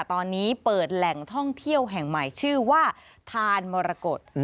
ตอนนี้เปิดแหล่งท่องเที่ยวแห่งใหม่ชื่อว่าทานมรกฏ